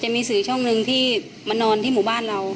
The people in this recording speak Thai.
มีสื่อช่องหนึ่งที่มานอนที่หมู่บ้านเรา